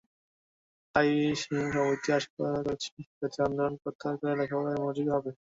তাই সমিতি আশা করছে, শিক্ষার্থীরা আন্দোলন প্রত্যাহার করে লেখাপড়ায় মনোযোগী হবে।